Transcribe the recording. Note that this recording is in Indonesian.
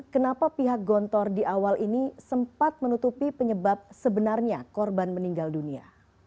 kenapa pihak gontor di awal ini sempat menutupi penyebab sebenarnya korban meninggal dunia